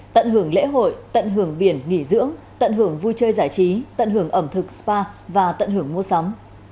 tận hưởng lễ hội tận hưởng biển nghỉ dưỡng tận hưởng vui chơi giải trí tận hưởng ẩm thực spa và tận hưởng mua sắm